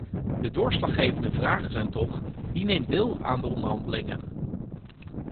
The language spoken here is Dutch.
De doorslaggevende vragen zijn toch: wie neemt deel aan de onderhandelingen?